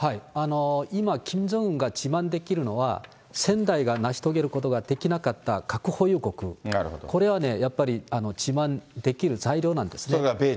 今、キム・ジョンウンが自慢できるのは、先代が成し遂げることができなかった核保有国、これはやっぱり、自慢できる材料なんですね。